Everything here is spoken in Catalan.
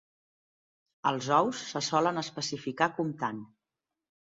Els ous se solen especificar comptant.